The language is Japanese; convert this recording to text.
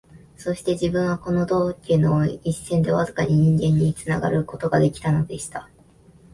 そうして自分は、この道化の一線でわずかに人間につながる事が出来たのでした